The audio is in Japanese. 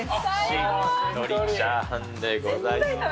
しっとりチャーハンでございます。